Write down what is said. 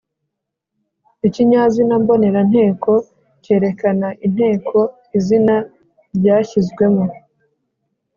– Ikinyazina mboneranteko kerekana inteko izina ryashyizwemo.